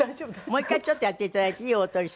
もう１回ちょっとやっていただいていい？